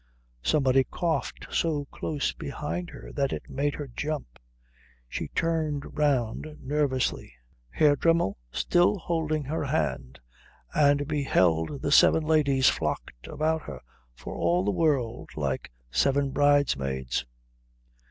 Somebody coughed so close behind her that it made her jump. She turned round nervously, Herr Dremmel still holding her hand, and beheld the seven ladies flocked about her for all the world like seven bridesmaids.